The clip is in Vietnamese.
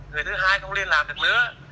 người thứ hai không liên lạc được nữa